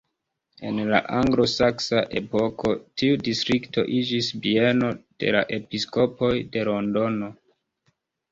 En la anglo-saksa epoko tiu distrikto iĝis bieno de la episkopoj de Londono.